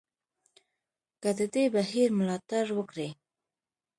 که د دې بهیر ملاتړ وکړي.